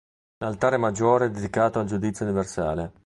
L'altare maggiore è dedicato al "Giudizio Universale".